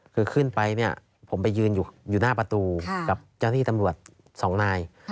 คือขึ้นไปเนี่ยผมไปยืนอยู่หน้าประตูกับเจ้าที่ตำรวจสองนาย